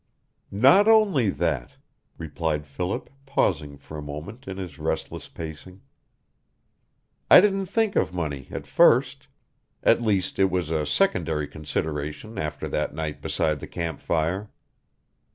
"Not only that," replied Philip, pausing for a moment in his restless pacing. "I didn't think of money, at first; at least, it was a secondary consideration after that night beside the camp fire.